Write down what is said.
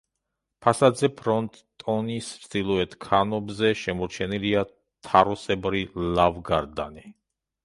ფასადზე ფრონტონის ჩრდილოეთ ქანობზე შემორჩენილია თაროსებრი ლავგარდანი.